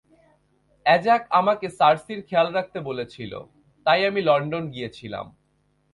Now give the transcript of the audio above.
অ্যাজাক আমাকে সার্সির খেয়াল রাখতে বলেছিল, তাই আমি লন্ডন গিয়েছিলাম।